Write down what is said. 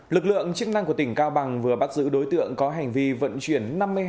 lực lượng chức năng của tỉnh cao bằng vừa bắt giữ đối tượng có hành vi vận chuyển